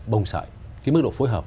bông sợi cái mức độ phối hợp